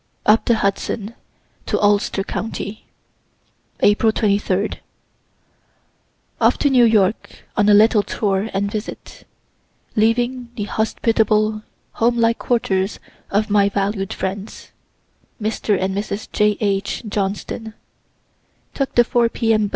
UP THE HUDSON TO ULSTER COUNTY April 23. Off to New York on a little tour and visit. Leaving the hospitable, home like quarters of my valued friends, Mr. and Mrs. J. H. Johnston took the 4 P. M.